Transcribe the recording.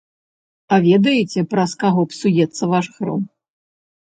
А ведаеце, праз каго псуецца ваш хром?